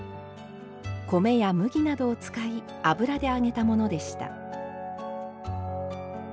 米や麦などを使い油で揚げたものでした。